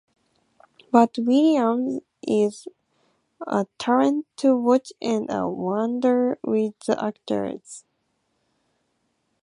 But Williams is a talent to watch and a wonder with the actors.